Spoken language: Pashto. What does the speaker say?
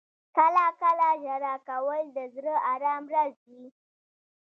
• کله کله ژړا کول د زړه د آرام راز وي.